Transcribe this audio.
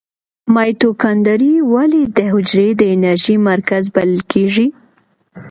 مایتوکاندري ولې د حجرې د انرژۍ مرکز بلل کیږي؟